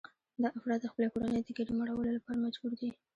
دا افراد د خپلې کورنۍ د ګېډې مړولو لپاره مجبور دي